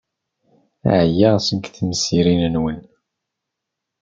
Ɛyiɣ seg temsirin-nwen.